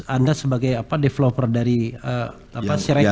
anda sebagai developer dari si rekap